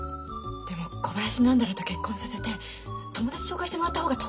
でも小林何だらと結婚させて友達紹介してもらった方が得かしら？